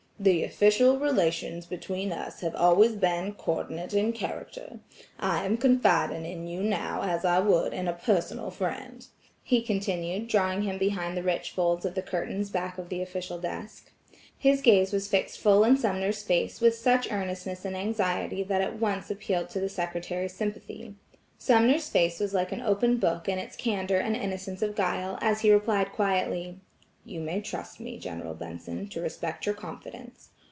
"The official relations between us have always been coordinate in character. I am confiding in you now as I would in a personal friend. You will find some additional papers to be collated in my desk," he continued drawing him behind the rich folds of the curtains back of the official desk. He gaze was fixed full in Sumner's face with such earnestness and anxiety that at once appealed to the secretary's sympathy. Sumner's face was like an open book in its candor and innocence of guile, as he replied quietly: "You may trust me, General Benson, to respect your confidence.